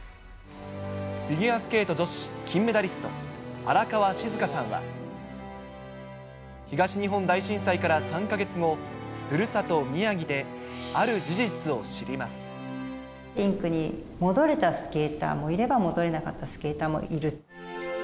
フィギュアスケート女子金メダリスト、荒川静香さんは、東日本大震災から３か月後、ふるさと、リンクに戻れたスケーターもいれば、戻れなかったスケーターもいる。